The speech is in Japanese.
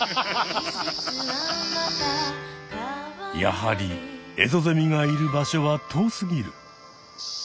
やはりエゾゼミがいる場所は遠すぎる。